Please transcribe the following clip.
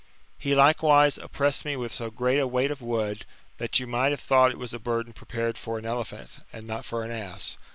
He likewise op pressed me with so great a weight of wood, that you might have thought it was a burden prepared for an elephant, and not for an ass.